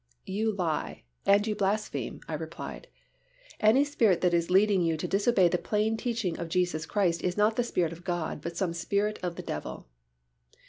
"You lie, and you blaspheme," I replied. "Any spirit that is leading you to disobey the plain teaching of Jesus Christ is not the Spirit of God but some spirit of the devil."